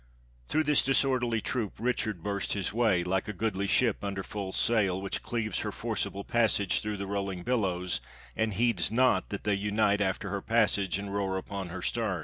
Through this dis orderly troop Richard burst his way, like a goodly ship under full sail, which cleaves her forcible passage through the rolling billows, and heeds not that they unite after her passage, and roar upon her stem.